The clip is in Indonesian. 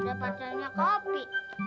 dapat tanya kak opi